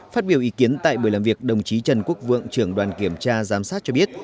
phát biểu ý kiến tại buổi làm việc đồng chí trần quốc vượng trưởng đoàn kiểm tra giám sát cho biết